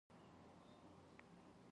پخپله لویې مرستې ته اړ دی .